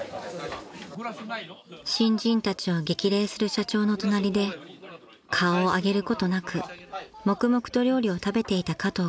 ［新人たちを激励する社長の隣で顔を上げることなく黙々と料理を食べていた加藤君］